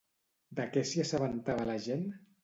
De què s'hi assabentava la gent?